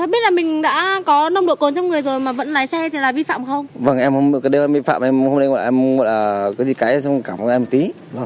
biết là miễn phạm em không biết em không biết là có gì cái xong cảm ơn em một tí